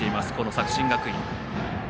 作新学院。